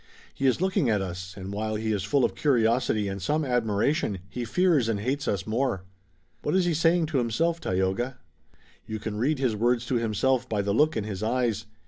He is looking at us, and while he is full of curiosity and some admiration he fears and hates us more." "What is he saying to himself, Tayoga?" "You can read his words to himself by the look in his eyes.